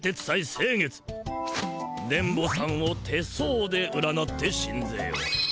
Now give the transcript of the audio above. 星月電ボさんを手相で占ってしんぜよう。